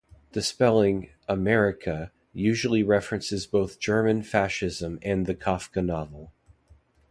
The spelling, Amerika, usually references both German fascism and the Kafka novel.